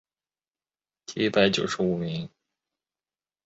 殿试登进士第三甲第一百九十五名。